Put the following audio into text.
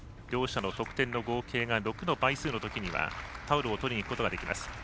両者の得点の合計が６の倍数のときにはタオルを取りにいくことができます。